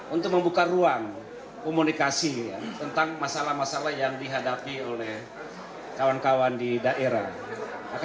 untuk membuka ruang komunikasi tentang masalah masalah yang dihadapi oleh kawan kawan di daerah